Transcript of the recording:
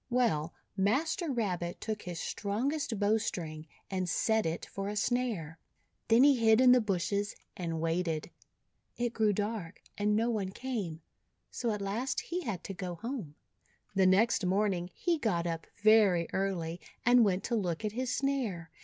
Well, Master Rabbit took his strongest bow string, and set it for a snare. Then he hid in the bushes and waited. It grew dark and no one came, so at last he had to go home. The next morning he got up very early, and went to look at his snare.